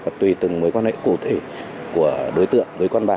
và tùy từng mối quan hệ cụ thể của đối tượng